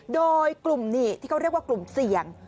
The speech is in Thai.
โดยกลุ่มนี้ที่เขาเรียกว่ากลุ่มเสี่ยง